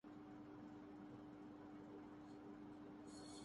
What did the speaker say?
امیر اللغات اگر مکمل ہوتا تو اس کی کئی جلدیں ہوتیں